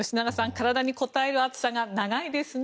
体にこたえる暑さが長いですね。